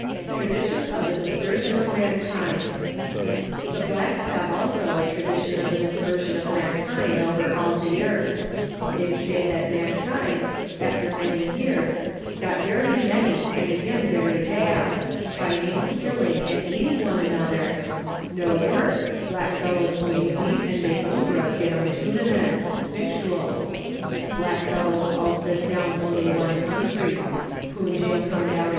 Tradition of the Dispersion of Mankind. The blacks have also a tradition of the dispersion of mankind over all the earth. They say that mankind, after many years, got very many and again very bad, fighting, killing, and eating one another " no work, blackfellows only beat and make lubras get 'em tunanan (victuals) ; blackfellows all sit down only one country; Punjil come down Letters from Victorian Pioneers.